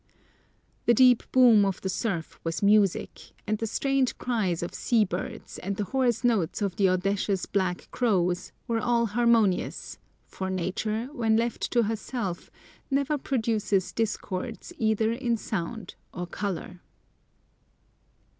The deep boom of the surf was music, and the strange cries of sea birds, and the hoarse notes of the audacious black crows, were all harmonious, for nature, when left to herself, never produces discords either in sound or colour.